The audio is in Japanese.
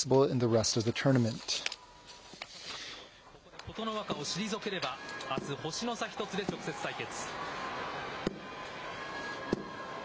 ここで琴ノ若を退ければ、あす、星の差１つで直接対決。